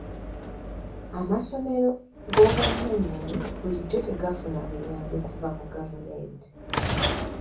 Amasomero g'obwannannyini bulijjo tegafuna buyambi kuva mu gavumenti.